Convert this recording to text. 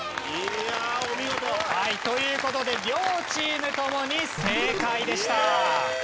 いやお見事！という事で両チームともに正解でした。